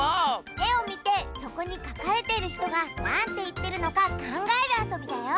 えをみてそこにかかれてるひとがなんていってるのかかんがえるあそびだよ。